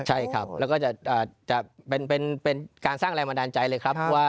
ใช่ครับแล้วก็จะเป็นการสร้างแรงบันดาลใจเลยครับว่า